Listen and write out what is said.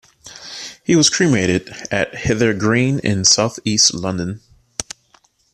He was cremated at Hither Green in South East London.